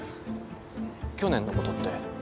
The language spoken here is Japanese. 去年のことって？